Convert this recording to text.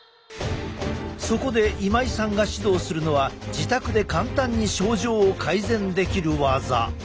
そこで今井さんが指導するのは自宅で簡単に症状を改善できる技。